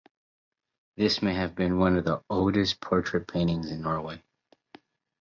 This may have been one of the oldest portrait paintings in Norway.